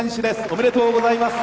おめでとうございます。